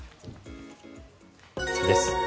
次です。